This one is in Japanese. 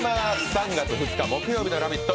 ３月２日木曜日の「ラヴィット！」